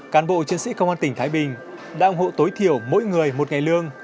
cán bộ chiến sĩ công an tỉnh thái bình đã ủng hộ tối thiểu mỗi người một ngày lương